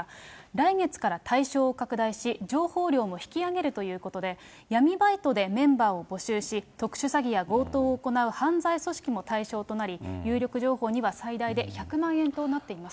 来月から対象を拡大し、情報料も引き上げるということで、闇バイトでメンバーを募集し、特殊詐欺や強盗を行う犯罪組織も対象となり、有力情報には最大で１００万円となっています。